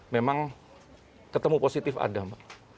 memang ketemu positif ada mbak